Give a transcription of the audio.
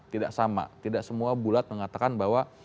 tidak sama tidak semua bulat mengatakan bahwa